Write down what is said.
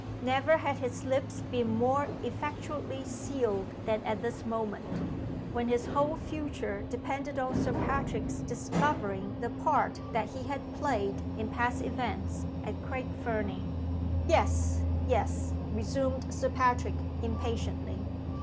Never had his lips been more effectually sealed than at this moment when his whole future depended on Sir Patrick's discovering the part that he had played in past events at Craig Fernie. "Yes! yes!" resumed Sir Patrick, impatiently.